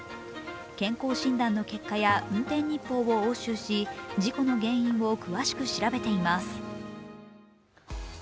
健康診断の結果や運転日報を押収し事故の原因を詳しく調べています。